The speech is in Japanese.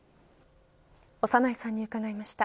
長内さんに伺いました。